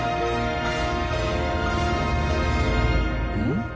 ん？